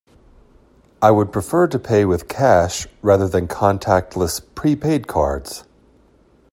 I would prefer to pay with cash rather than contactless prepaid cards.